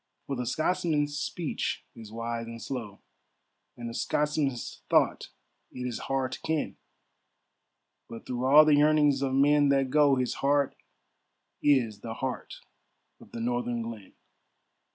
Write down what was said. For the Scotsman's speech is wise and slow, And the Scotsman's thought it is hard to ken, But through all the yearnings of men that go, His heart is the heart of the northern glen.